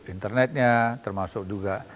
internetnya termasuk juga